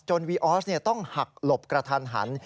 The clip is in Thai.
วีออสต้องหักหลบกระทันหัน